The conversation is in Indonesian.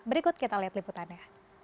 berikut kita lihat liputannya